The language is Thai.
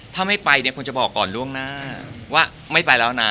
ถ้าไม่ไปเนี่ยควรจะบอกก่อนล่วงหน้าว่าไม่ไปแล้วนะ